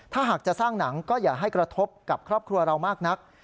ถ้าหากจะสร้างหนังก็อย่าให้กระทบกับครอบครัวเรามากนัก